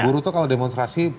buruh itu kalau demonstrasi